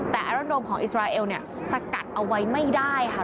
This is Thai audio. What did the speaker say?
แต่อาระดนตรมของอิสราเอลสกัดเอาไว้ไม่ได้ค่ะ